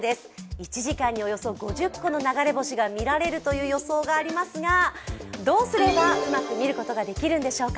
１時間におよそ５０個の流れ星が見られるという予想がありますがどうすれば、うまく見ることができるんでしょうか。